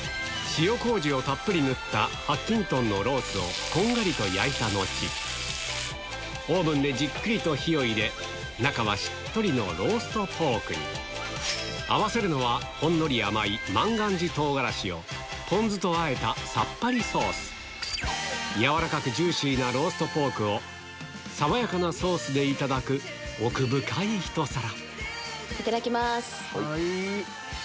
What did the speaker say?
塩こうじをたっぷり塗った白金豚のロースをこんがりと焼いた後オーブンでじっくりと火を入れ中はしっとりのローストポークに合わせるのはほんのり甘いポン酢とあえたさっぱりソース軟らかくジューシーなローストポークを爽やかなソースでいただく奥深いひと皿いただきます。